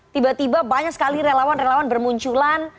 tiba tiba banyak sekali relawan relawan bermunculan